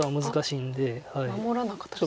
守らなかったですね。